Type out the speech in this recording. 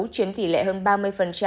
chiếm tỷ lệ hơn ba mươi